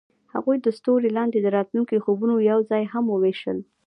هغوی د ستوري لاندې د راتلونکي خوبونه یوځای هم وویشل.